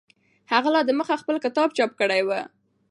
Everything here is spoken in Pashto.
هغه لا دمخه خپل کتاب چاپ کړی و.